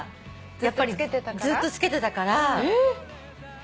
やっぱりずっと着けてたから。